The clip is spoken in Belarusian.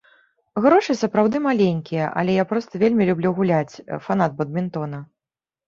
Грошы сапраўды маленькія, але я проста вельмі люблю гуляць, фанат бадмінтона.